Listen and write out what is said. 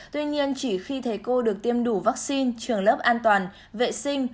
tuy nhiên chỉ khi thầy cô được tiêm đủ vaccine trường lớp an toàn vệ sinh